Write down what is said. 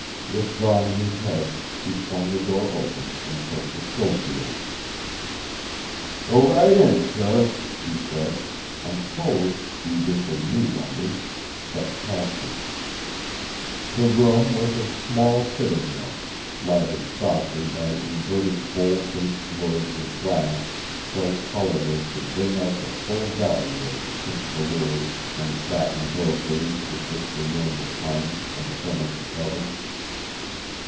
Withdrawing his head, he swung the door open and turned to Schofield. "Go right in, sir," he said, and Code, eager for new wonders, stepped past him. The room was a small sitting room, lighted softly by inverted bowl shaped globes of glass so colored as to bring out the full value of the pink velours and satin brocades with which the room was hung and the furniture covered.